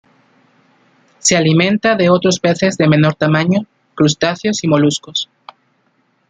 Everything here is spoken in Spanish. Se alimenta de otros peces de menor tamaño, crustáceos y moluscos.